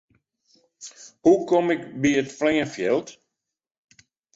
Hoe kom ik by it fleanfjild?